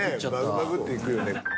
バクバクっていくよね。